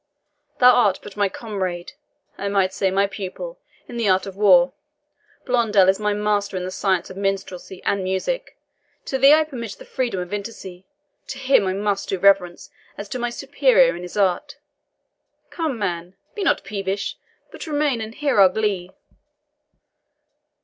Thou art but my comrade I might say my pupil in the art of war; Blondel is my master in the science of minstrelsy and music. To thee I permit the freedom of intimacy; to him I must do reverence, as to my superior in his art. Come, man, be not peevish, but remain and hear our glee."